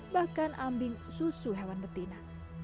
bahkan ambing susu hewan betina